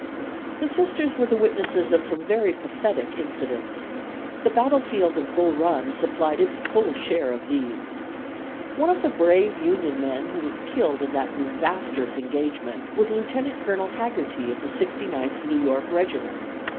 The Sisters were the witnesses of some very pathetic incidents. The battlefield of Bull Run supplied its full share of these. One of the brave Union men who was killed in that disastrous engagement was Lieutenant Colonel Haggerty, of the Sixty ninth New York Regiment.